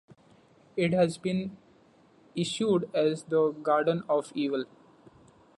It has also been issued as The Garden of Evil.